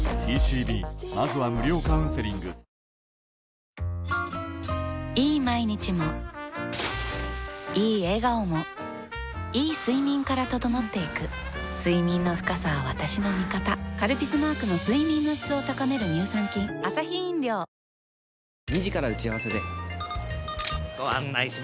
ちょっといいといい毎日もいい笑顔もいい睡眠から整っていく睡眠の深さは私の味方「カルピス」マークの睡眠の質を高める乳酸菌血圧はちゃんとチェック！